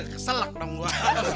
keselak dong gue